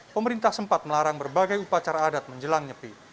pemerintah sempat melarang berbagai upacara adat menjelang nyepi